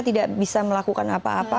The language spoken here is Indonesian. tidak bisa melakukan apa apa